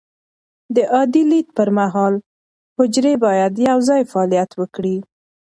د عادي لید پر مهال، حجرې باید یوځای فعالیت وکړي.